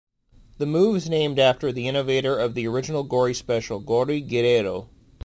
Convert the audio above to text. The move is named after the innovator of the original Gory special, Gory Guerrero.